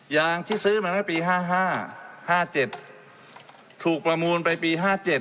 ยางที่ซื้อมาเมื่อปี๕๕๗ถูกประมูลไปปี๕๗